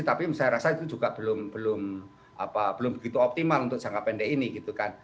tapi saya rasa itu juga belum begitu optimal untuk jangka pendek ini gitu kan